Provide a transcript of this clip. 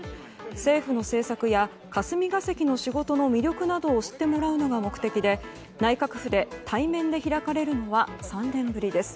政府の政策や霞が関の仕事の魅力などを知ってもらうのが目的で内閣府で対面で開かれるのは３年ぶりです。